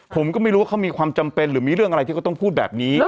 ผมก็ไม่รู้ว่าเขามีความจำเป็นหรือมีเรื่องอะไรที่เขาต้องพูดแบบนี้